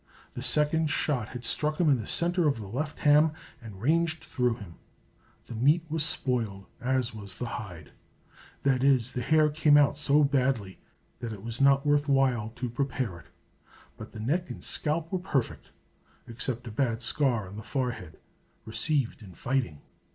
The second shot had struck him in the center of the left ham and ranged through him. The meat was spoiled, as was the hide that is, the hair came out so badly that it was not worth while to prepare it; but the neck and scalp were perfect, except a bad scar on the forehead, received in fighting.